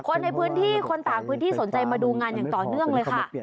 คนในพื้นที่คนต่างพื้นที่สนใจมาดูงานอย่างต่อเนื่องเลยค่ะ